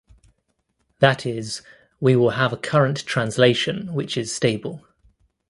That is, we will have a current translation which is stable.